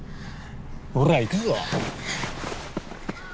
ほら行くぞ。